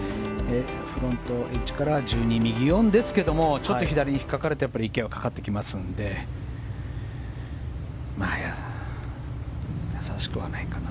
フロントエッジから１２右４ですがちょっと左に引っかかると池にかかりますので易しくはないかな。